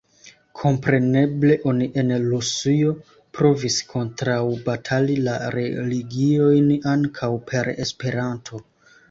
Kompreneble oni en Rusujo provis kontraŭbatali la religiojn ankaŭ per Esperanto.